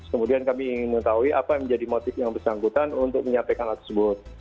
kemudian kami ingin mengetahui apa yang menjadi motif yang bersangkutan untuk menyampaikan hal tersebut